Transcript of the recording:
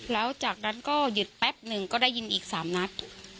แล้วจากนั้นก็หยุดแป๊บหนึ่งก็ได้ยินอีก๓นัด